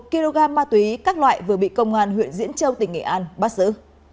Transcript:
một kg ma túy các loại vừa bị công an huyện diễn châu tỉnh nghệ an bắt giữ